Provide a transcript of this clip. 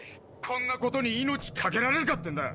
こんなことに命かけられるかってんだ！